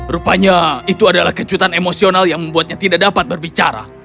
rupanya itu adalah kejutan emosional yang membuatnya tidak dapat berbicara